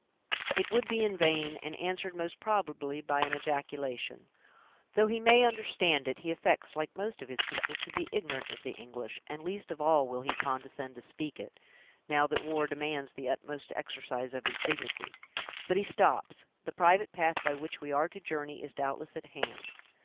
"It would be in vain; and answered, most probably, by an ejaculation. Though he may understand it, he affects, like most of his people, to be ignorant of the English; and least of all will he condescend to speak it, now that the war demands the utmost exercise of his dignity. But he stops; the private path by which we are to journey is, doubtless, at hand."